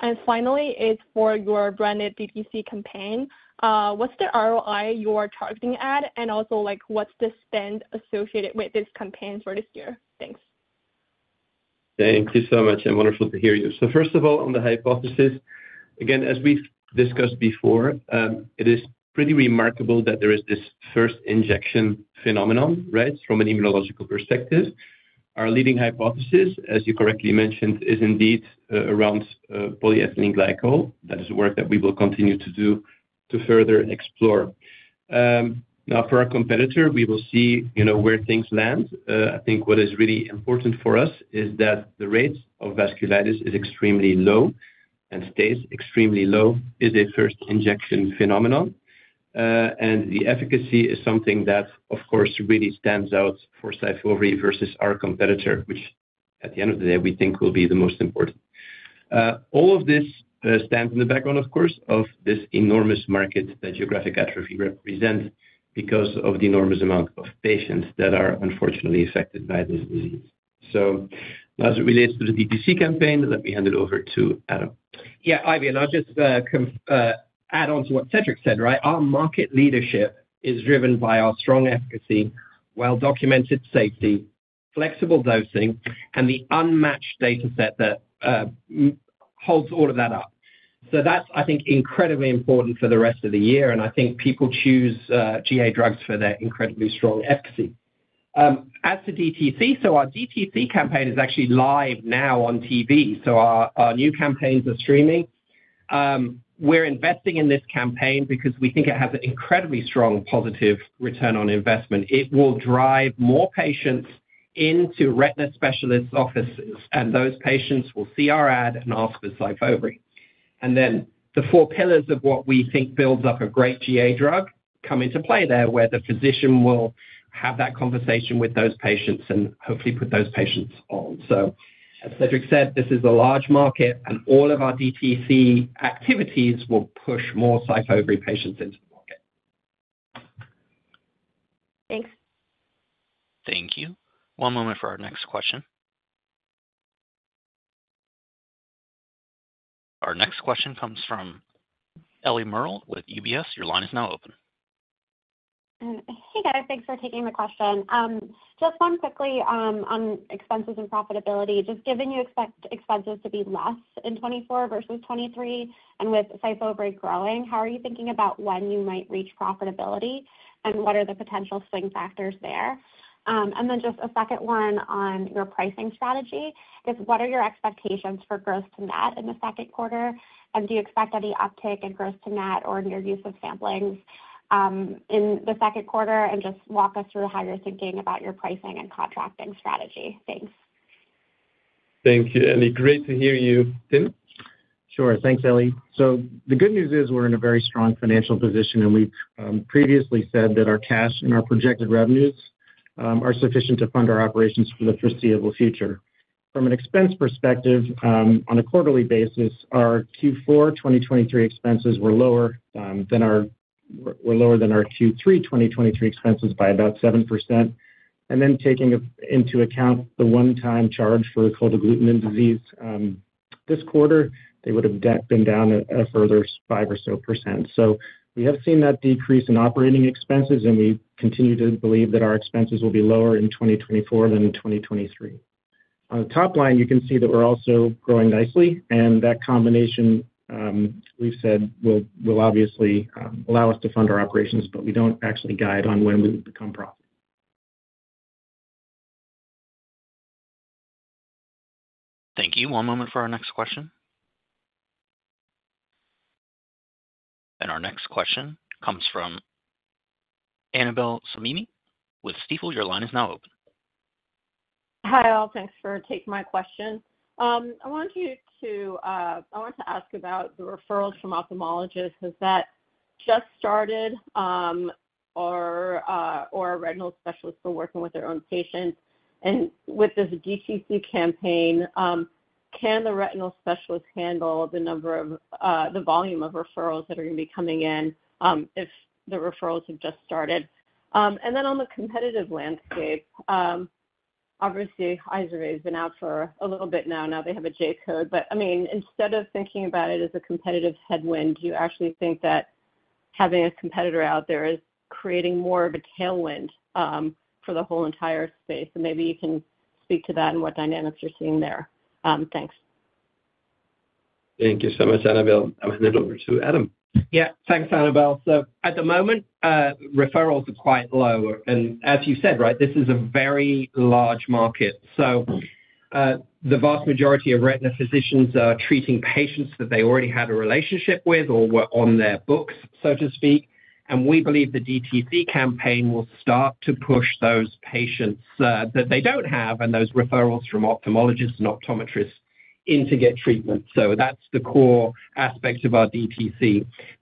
And finally, it's for your branded DTC campaign. What's the ROI you are targeting at? And also, what's the spend associated with these campaigns for this year? Thanks. Thank you so much. Wonderful to hear you. First of all, on the hypothesis, again, as we've discussed before, it is pretty remarkable that there is this first-injection phenomenon, right, from an immunological perspective. Our leading hypothesis, as you correctly mentioned, is indeed around polyethylene glycol. That is work that we will continue to do to further explore. Now, for our competitor, we will see where things land. I think what is really important for us is that the rates of vasculitis is extremely low and stays extremely low is a first-injection phenomenon. The efficacy is something that, of course, really stands out for Syfovre versus our competitor, which at the end of the day, we think will be the most important. All of this stands in the background, of course, of this enormous market that geographic atrophy represents because of the enormous amount of patients that are unfortunately affected by this disease. So now, as it relates to the DTC campaign, let me hand it over to Adam. Yeah, Ivy. And I'll just add on to what Cedric said, right? Our market leadership is driven by our strong efficacy, well-documented safety, flexible dosing, and the unmatched dataset that holds all of that up. So that's, I think, incredibly important for the rest of the year. And I think people choose GA drugs for their incredibly strong efficacy. As for DTC, so our DTC campaign is actually live now on TV. So our new campaigns are streaming. We're investing in this campaign because we think it has an incredibly strong positive return on investment. It will drive more patients into retina specialists' offices. And those patients will see our ad and ask for Syfovre. And then the four pillars of what we think builds up a great GA drug come into play there where the physician will have that conversation with those patients and hopefully put those patients on. As Cedric said, this is a large market, and all of our DTC activities will push more Syfovre patients into the market. Thanks. Thank you. One moment for our next question. Our next question comes from Eliana Merle with UBS. Your line is now open. Hey, guys. Thanks for taking the question. Just one quickly on expenses and profitability. Just given you expect expenses to be less in 2024 versus 2023 and with Syfovre growing, how are you thinking about when you might reach profitability? And what are the potential swing factors there? And then just a second one on your pricing strategy. I guess what are your expectations for gross-to-net in the second quarter? And do you expect any uptick in gross-to-net or in your use of samplings in the second quarter? And just walk us through how you're thinking about your pricing and contracting strategy. Thanks. Thank you, Ellie. Great to hear you, Tim. Sure. Thanks, Ellie. So the good news is we're in a very strong financial position. And we've previously said that our cash and our projected revenues are sufficient to fund our operations for the foreseeable future. From an expense perspective, on a quarterly basis, our Q4 2023 expenses were lower than our Q3 2023 expenses by about 7%. And then taking into account the one-time charge for Cold Agglutinin Disease this quarter, they would have been down a further 5% or so. So we have seen that decrease in operating expenses. And we continue to believe that our expenses will be lower in 2024 than in 2023. On the top line, you can see that we're also growing nicely. And that combination, we've said, will obviously allow us to fund our operations. But we don't actually guide on when we become profitable. Thank you. One moment for our next question. Our next question comes from Annabel Samimy with Stifel. Your line is now open. Hi, all. Thanks for taking my question. I wanted to ask about the referrals from ophthalmologists. Has that just started? Or are retinal specialists still working with their own patients? And with this DTC campaign, can the retinal specialist handle the number of the volume of referrals that are going to be coming in if the referrals have just started? And then on the competitive landscape, obviously, Izervay has been out for a little bit now. Now, they have a J-code. But I mean, instead of thinking about it as a competitive headwind, do you actually think that having a competitor out there is creating more of a tailwind for the whole entire space? And maybe you can speak to that and what dynamics you're seeing there. Thanks. Thank you so much, Annabel. I'm going to hand it over to Adam. Yeah. Thanks, Annabel. So at the moment, referrals are quite low. And as you said, right, this is a very large market. So the vast majority of retina physicians are treating patients that they already had a relationship with or were on their books, so to speak. And we believe the DTC campaign will start to push those patients that they don't have and those referrals from ophthalmologists and optometrists in to get treatment. So that's the core aspect of our DTC.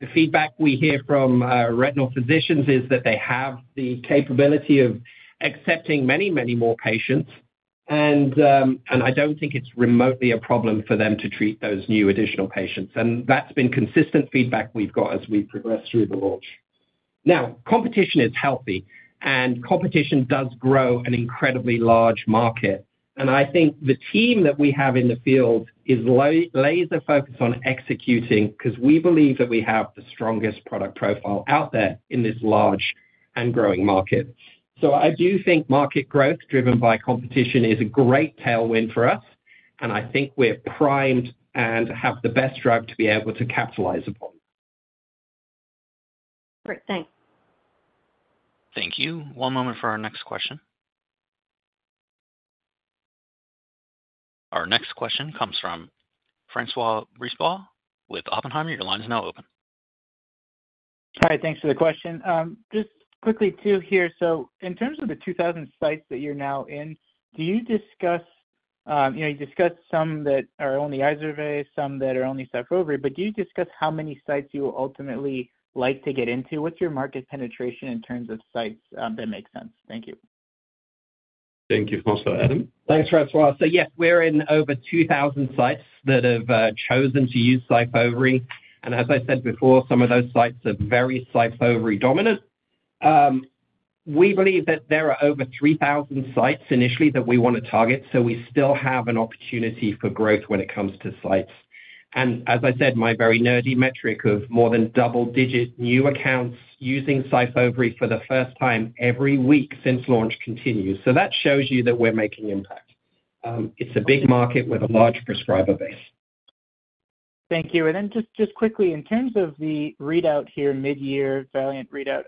The feedback we hear from retinal physicians is that they have the capability of accepting many, many more patients. And I don't think it's remotely a problem for them to treat those new additional patients. And that's been consistent feedback we've got as we progress through the launch. Now, competition is healthy. And competition does grow an incredibly large market. I think the team that we have in the field is laser-focused on executing because we believe that we have the strongest product profile out there in this large and growing market. So I do think market growth driven by competition is a great tailwind for us. I think we're primed and have the best drug to be able to capitalize upon. Great. Thanks. Thank you. One moment for our next question. Our next question comes from François Brisebois with Oppenheimer. Your line is now open. Hi. Thanks for the question. Just quickly, too, here. So in terms of the 2,000 sites that you're now in, do you discuss some that are only Izervay, some that are only Syfovre? But do you discuss how many sites you will ultimately like to get into? What's your market penetration in terms of sites that makes sense? Thank you. Thank you so much, Adam. Thanks, François. So yes, we're in over 2,000 sites that have chosen to use Syfovre. And as I said before, some of those sites are very Syfovre-dominant. We believe that there are over 3,000 sites initially that we want to target. So we still have an opportunity for growth when it comes to sites. And as I said, my very nerdy metric of more than double-digit new accounts using Syfovre for the first time every week since launch continues. So that shows you that we're making impact. It's a big market with a large prescriber base. Thank you. And then just quickly, in terms of the readout here, mid-year VALIANT readout,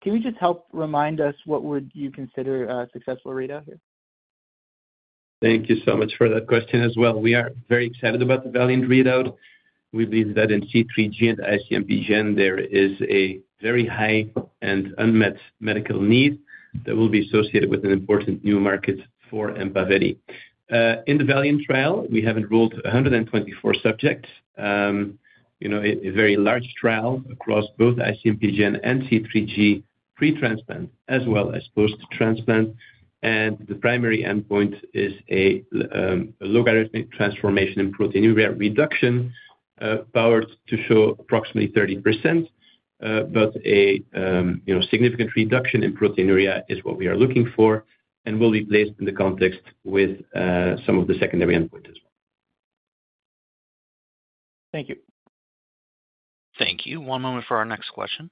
can you just help remind us what would you consider a successful readout here? Thank you so much for that question as well. We are very excited about the VALIANT readout. We believe that in C3G and IC-MPGN, there is a very high and unmet medical need that will be associated with an important new market forEmpaveli. In the VALIANT trial, we have enrolled 124 subjects, a very large trial across both IC-MPGN and C3G pretransplant as well as post-transplant. The primary endpoint is a logarithmic transformation in proteinuria reduction powered to show approximately 30%. But a significant reduction in proteinuria is what we are looking for and will be placed in the context with some of the secondary endpoints as well. Thank you. Thank you. One moment for our next question.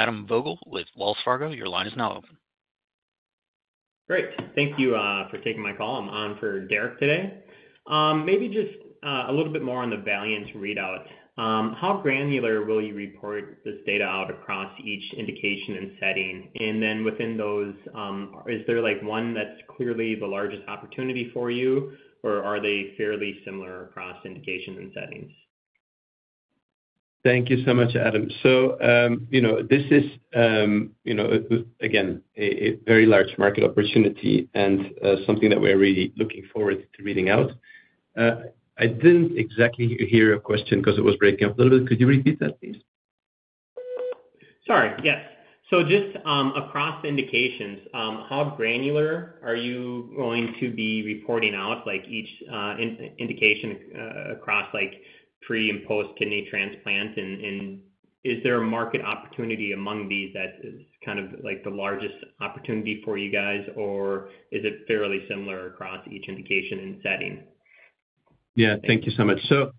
Our next question comes from Adam Vogel with Wells Fargo. Your line is now open. Great. Thank you for taking my call. I'm on for Derek today. Maybe just a little bit more on the VALIANT readout. How granular will you report this data out across each indication and setting? And then within those, is there one that's clearly the largest opportunity for you? Or are they fairly similar across indications and settings? Thank you so much, Adam. So this is, again, a very large market opportunity and something that we are really looking forward to reading out. I didn't exactly hear a question because it was breaking up a little bit. Could you repeat that, please? Sorry. Yes. So just across indications, how granular are you going to be reporting out each indication across pre and post-kidney transplant? And is there a market opportunity among these that is kind of the largest opportunity for you guys? Or is it fairly similar across each indication and setting? Yeah. Thank you so much. So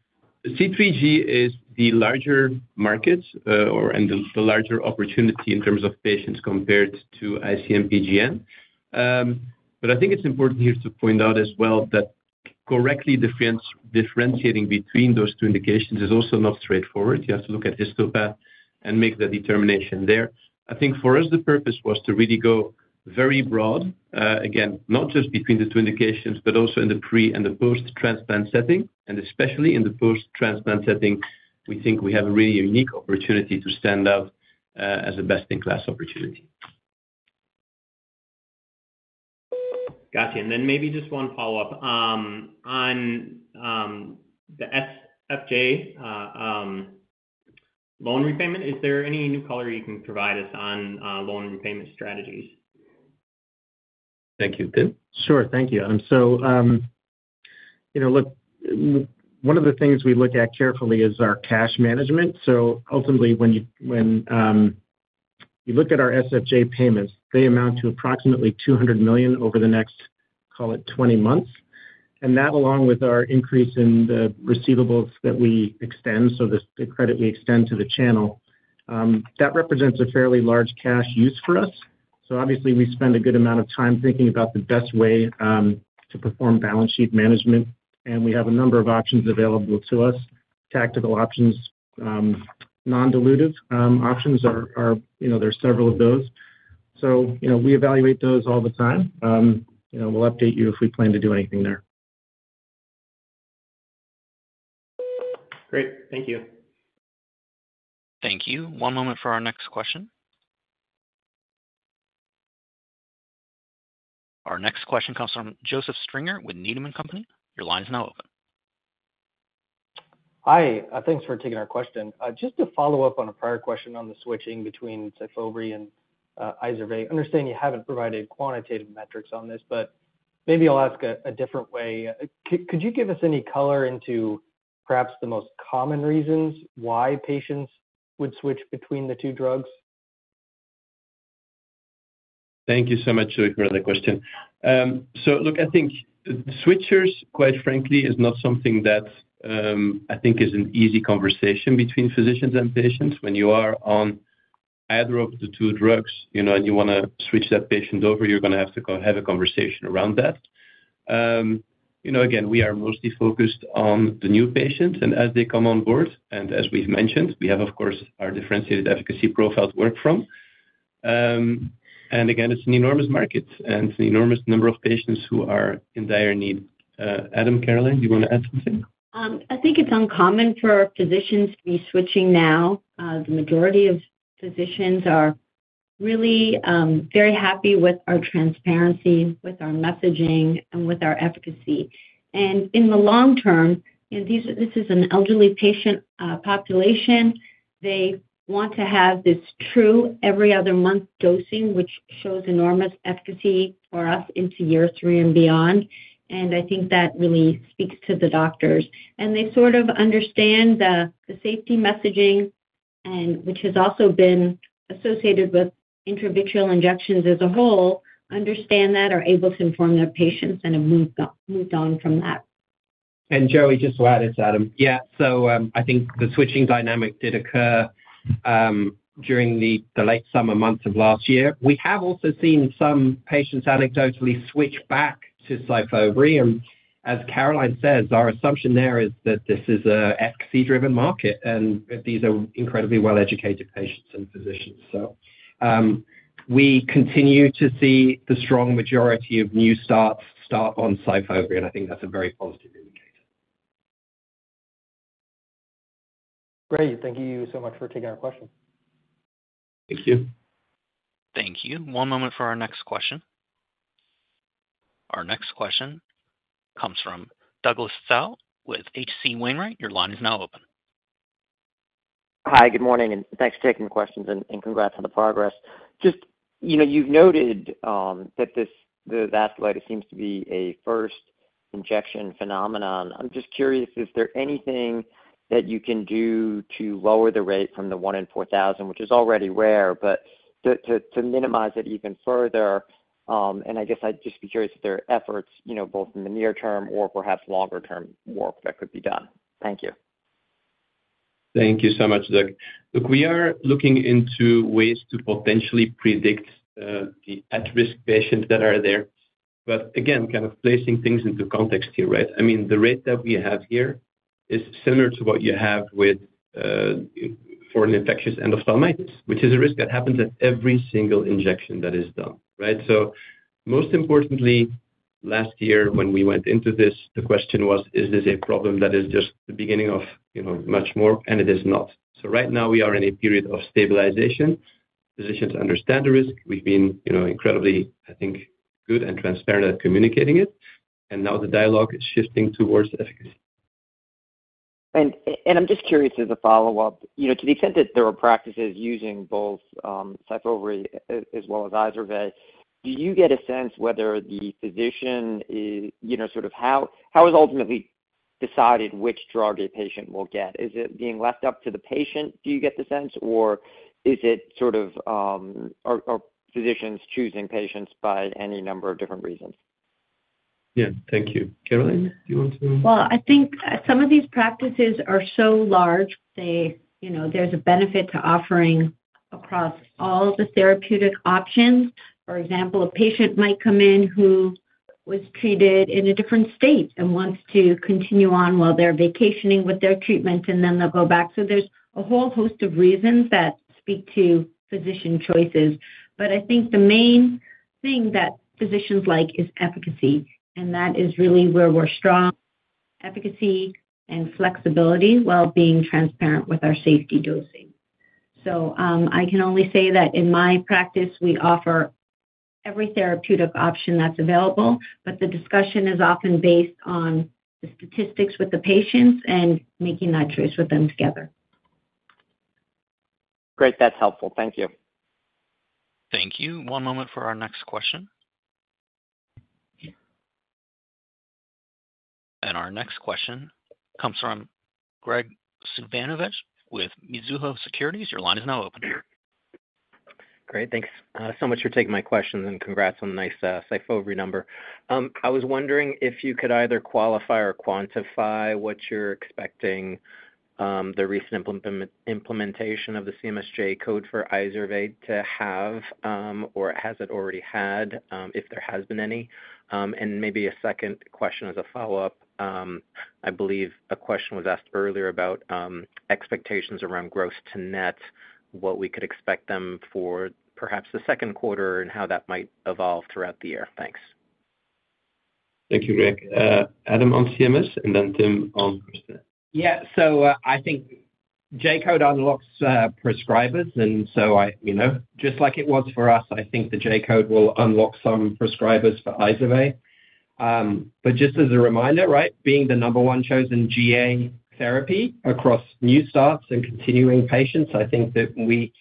C3G is the larger market and the larger opportunity in terms of patients compared to IC-MPGN. But I think it's important here to point out as well that correctly differentiating between those two indications is also not straightforward. You have to look at histopathology and make the determination there. I think for us, the purpose was to really go very broad, again, not just between the two indications but also in the pre- and the post-transplant setting. And especially in the post-transplant setting, we think we have a really unique opportunity to stand out as a best-in-class opportunity. Gotcha. And then maybe just one follow-up. On the SFJ loan repayment, is there any new color you can provide us on loan repayment strategies? Thank you, Tim. Sure. Thank you, Adam. So look, one of the things we look at carefully is our cash management. So ultimately, when you look at our SFJ payments, they amount to approximately $200 million over the next, call it, 20 months. And that, along with our increase in the receivables that we extend, so the credit we extend to the channel, that represents a fairly large cash use for us. So obviously, we spend a good amount of time thinking about the best way to perform balance sheet management. And we have a number of options available to us, tactical options, non-dilutive options. There's several of those. So we evaluate those all the time. We'll update you if we plan to do anything there. Great. Thank you. Thank you. One moment for our next question. Our next question comes from Joseph Stringer with Needham & Company. Your line is now open. Hi. Thanks for taking our question. Just to follow up on a prior question on the switching between Syfovre and Izervay. I understand you haven't provided quantitative metrics on this. But maybe I'll ask a different way. Could you give us any color into perhaps the most common reasons why patients would switch between the two drugs? Thank you so much, [Joe], for the question. So look, I think switchers, quite frankly, is not something that I think is an easy conversation between physicians and patients. When you are on either of the two drugs and you want to switch that patient over, you're going to have to have a conversation around that. Again, we are mostly focused on the new patients. And as they come on board and as we've mentioned, we have, of course, our differentiated efficacy profile to work from. And again, it's an enormous market. And it's an enormous number of patients who are in dire need. Adam, Caroline, do you want to add something? I think it's uncommon for physicians to be switching now. The majority of physicians are really very happy with our transparency, with our messaging, and with our efficacy. And in the long term, this is an elderly patient population. They want to have this true every-other-month dosing, which shows enormous efficacy for us into year three and beyond. And I think that really speaks to the doctors. And they sort of understand the safety messaging, which has also been associated with intravitreal injections as a whole, understand that, are able to inform their patients, and have moved on from that. And Joey, just to add, it's Adam. Yeah. So I think the switching dynamic did occur during the late summer months of last year. We have also seen some patients anecdotally switch back to Syfovre. And as Caroline says, our assumption there is that this is an efficacy-driven market and that these are incredibly well-educated patients and physicians. So we continue to see the strong majority of new starts start on Syfovre. And I think that's a very positive indicator. Great. Thank you so much for taking our question. Thank you. Thank you. One moment for our next question. Our next question comes from Douglas Tsao with H.C. Wainwright. Your line is now open. Hi. Good morning. Thanks for taking the questions. Congrats on the progress. Just you've noted that the vasculitis seems to be a first-injection phenomenon. I'm just curious, is there anything that you can do to lower the rate from the 1 in 4,000, which is already rare, but to minimize it even further? I guess I'd just be curious if there are efforts both in the near-term or perhaps longer-term work that could be done. Thank you. Thank you so much, Doug. Look, we are looking into ways to potentially predict the at-risk patients that are there. But again, kind of placing things into context here, right? I mean, the rate that we have here is similar to what you have for an infectious endophthalmitis, which is a risk that happens at every single injection that is done, right? So most importantly, last year when we went into this, the question was, "Is this a problem that is just the beginning of much more?" And it is not. So right now, we are in a period of stabilization. Physicians understand the risk. We've been incredibly, I think, good and transparent at communicating it. And now the dialogue is shifting towards efficacy. I'm just curious as a follow-up. To the extent that there are practices using both Syfovre as well as Izervay, do you get a sense whether the physician is sort of how is ultimately decided which drug a patient will get? Is it being left up to the patient, do you get the sense? Or is it sort of are physicians choosing patients by any number of different reasons? Yeah. Thank you. Caroline, do you want to? Well, I think some of these practices are so large. There's a benefit to offering across all the therapeutic options. For example, a patient might come in who was treated in a different state and wants to continue on while they're vacationing with their treatment. And then they'll go back. So there's a whole host of reasons that speak to physician choices. But I think the main thing that physicians like is efficacy. And that is really where we're strong: efficacy and flexibility while being transparent with our safety dosing. So I can only say that in my practice, we offer every therapeutic option that's available. But the discussion is often based on the statistics with the patients and making that choice with them together. Great. That's helpful. Thank you. Thank you. One moment for our next question. Our next question comes from Graig Suvannavejh with Mizuho Securities. Your line is now open. Great. Thanks so much for taking my questions. Congrats on the nice Syfovre number. I was wondering if you could either qualify or quantify what you're expecting the recent implementation of the J-code for Izervay to have, or has it already had, if there has been any. Maybe a second question as a follow-up. I believe a question was asked earlier about expectations around gross to net, what we could expect them for perhaps the second quarter and how that might evolve throughout the year. Thanks. Thank you, Greg. Adam on CMS and then Tim on gross-to-net. Yeah. So I think J-code unlocks prescribers. And so just like it was for us, I think the J-code will unlock some prescribers for Izervay. But just as a reminder, right, being the number one chosen GA therapy across new starts and continuing patients, I think that we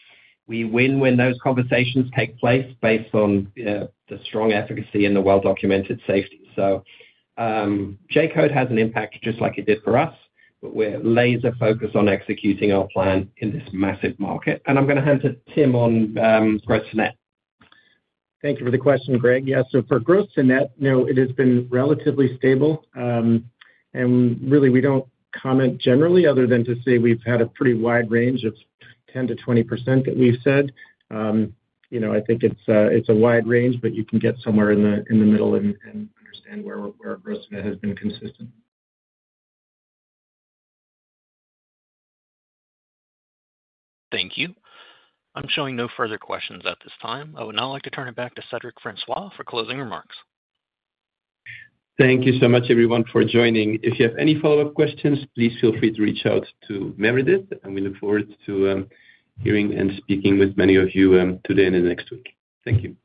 win when those conversations take place based on the strong efficacy and the well-documented safety. So J-code has an impact just like it did for us. But we're laser-focused on executing our plan in this massive market. And I'm going to hand to Tim on gross to net. Thank you for the question, Greg. Yeah. So for gross to net, no, it has been relatively stable. And really, we don't comment generally other than to say we've had a pretty wide range of 10%-20% that we've said. I think it's a wide range. But you can get somewhere in the middle and understand where gross to net has been consistent. Thank you. I'm showing no further questions at this time. I would now like to turn it back to Cedric Francois for closing remarks. Thank you so much, everyone, for joining. If you have any follow-up questions, please feel free to reach out to Meredith. We look forward to hearing and speaking with many of you today and in the next week. Thank you.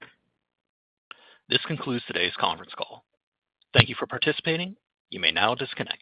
This concludes today's conference call. Thank you for participating. You may now disconnect.